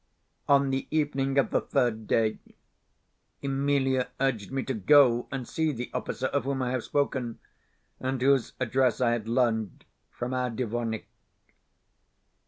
On the evening of the third day Emelia urged me to go and see the officer of whom I have spoken, and whose address I had learned from our dvornik.